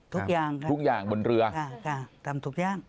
ทุกอย่างค่ะทุกอย่างบนเรือค่ะทำทุกอย่าง